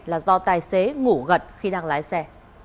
là do tài xế ngủ gật khi đang lái xe